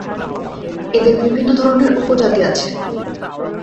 এদের বিভিন্ন ধরনের উপজাতি আছে।